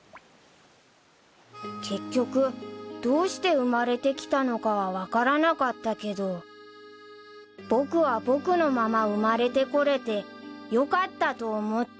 結局どうして生まれてきたのかは分からなかったけど僕は僕のまま生まれてこれてよかったと思った